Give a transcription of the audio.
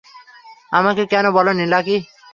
আমাকে কেন বলোনি, লাকি?